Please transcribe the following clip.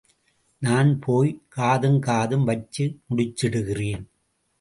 நான் போய்... காதும் காதும் வச்சு முடிச்சுடுறேன்.